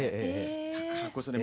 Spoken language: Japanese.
だからこそね